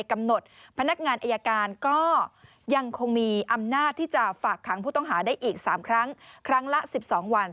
กำหนดนั่นเองค่ะครับ